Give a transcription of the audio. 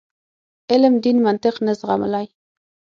علم دین منطق نه زغملای.